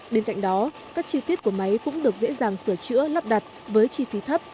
bên cạnh đó các chi tiết của máy cũng được dễ dàng sửa chữa lắp đặt với chi phí thấp